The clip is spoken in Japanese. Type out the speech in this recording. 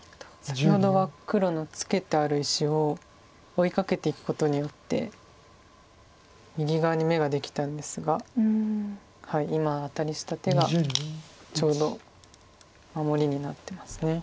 先ほどは黒のツケてある石を追いかけていくことによって右側に眼ができたんですが今アタリした手がちょうど守りになってます。